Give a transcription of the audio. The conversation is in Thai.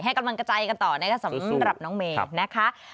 ให้กำลังใจกันต่อสำหรับน้องเมนะคะ